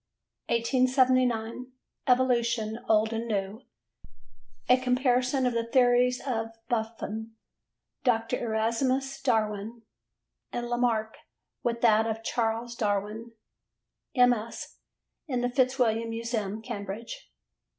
1879. Evolution Old and New: A comparison of the theories of Buffon, Dr. Erasmus Darwin and Lamarck with that of Charles Darwin: MS. in the Fitzwilliam Museum, Cambridge.